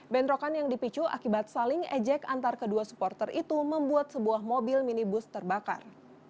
bentrokan yang dipicu akibat saling ejek antar kedua supporter itu membuat sebuah mobil minibus terbakar